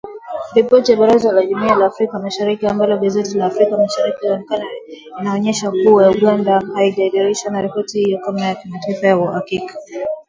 Ripoti ya Baraza la Jumuiya la Afrika Mashariki ambayo gazeti la Afrika Mashariki iliiona inaonyesha kuwa Uganda haijaridhishwa na ripoti hiyo ya kamati ya uhakiki